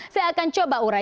saya akan coba urai